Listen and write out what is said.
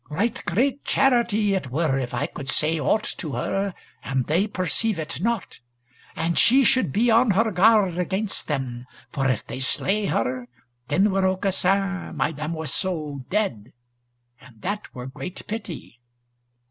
Right great charity it were if I could say aught to her, and they perceive it not, and she should be on her guard against them, for if they slay her, then were Aucassin, my damoiseau, dead, and that were great pity."